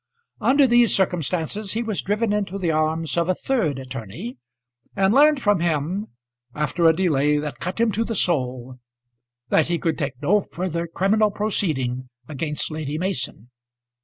Under these circumstances he was driven into the arms of a third attorney, and learned from him, after a delay that cut him to the soul, that he could take no further criminal proceeding against Lady Mason.